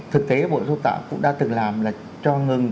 thực tế bộ dục tạo cũng đã từng làm là cho ngừng